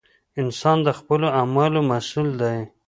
• انسان د خپلو اعمالو مسؤل دی.